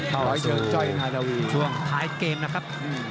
ต่อสู่ช่วงถ่ายเกมนะครับ